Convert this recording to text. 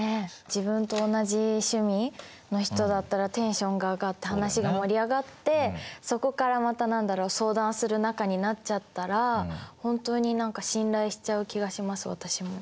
自分と同じ趣味の人だったらテンションが上がって話が盛り上がってそこからまた何だろう相談する仲になっちゃったら本当に何か信頼しちゃう気がします私も。